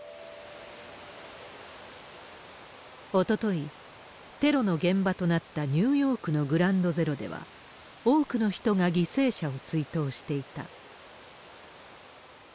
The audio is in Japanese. おととい、テロの現場となったニューヨークのグラウンドゼロでは、多くの人が犠牲者を追悼していた。